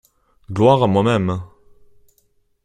Gloire à moi-même!